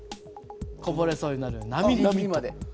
こぼれそうになるなみなみまで。